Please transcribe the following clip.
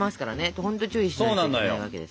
ほんと注意しないといけないわけです。